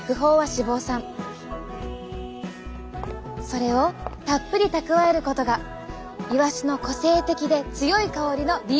それをたっぷり蓄えることがイワシの個性的で強い香りの理由なんです。